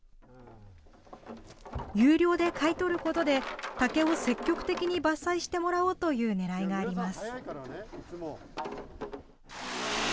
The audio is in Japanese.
有料で買い取ることで、竹を積極的に伐採してもらおうというねらいがあります。